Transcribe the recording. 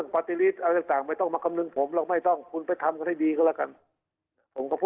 ไปสัดพักหนึ่งเดือนกว่า